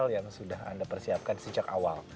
yang sudah anda persiapkan sejak awal